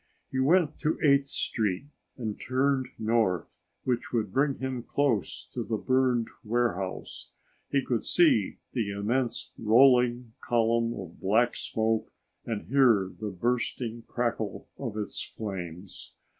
He went to Eighth Street and turned north, which would bring him close to the burned warehouse. He could see the immense, rolling column of black smoke and hear the bursting crackle of its flames.